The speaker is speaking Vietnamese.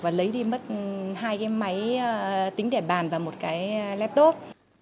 và lấy đi mất hai cái máy tính để bàn và một cái laptop